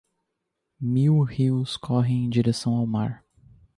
Mil rios correm em direção ao mar